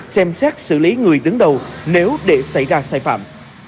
xem xét xử lý người đứng đầu nếu để xảy ra sai phạm